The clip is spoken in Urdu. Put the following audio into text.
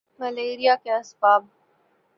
ملیریا کے اسباب